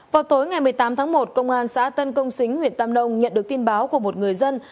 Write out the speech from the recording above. vào tối ngày một mươi tám tháng một công an xã tân công xính huyện tam nông nhận được tin báo của một người dân